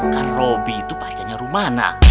kan robby itu pacarnya rumana